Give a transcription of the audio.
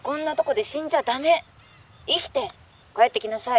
生きて帰ってきなさい」。